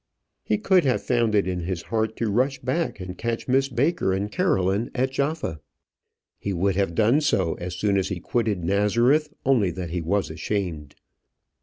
He could have found it in his heart to rush back, and catch Miss Baker and Caroline at Jaffa. He would have done so as soon as he quitted Nazareth, only that he was ashamed.